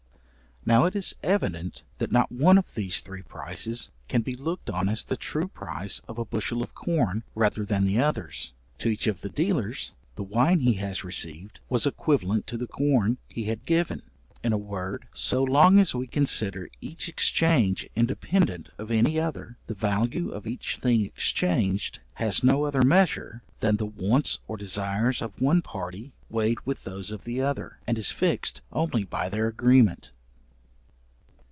Now it is evident, that not one of these three prices can be looked on as the true price of a bushel of corn, rather than the others; to each of the dealers, the wine he has received was equivalent to the corn he had given. In a word, so long as we consider each exchange independent of any other, the value of each thing exchanged has no other measure than the wants or desires of one party weighed with those of the other, and is fixed only by their agreement.